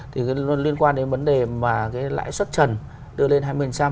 thì nó liên quan đến vấn đề mà cái lãi suất trần đưa lên hai mươi